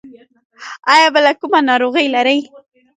ایا بله کومه ناروغي لرئ؟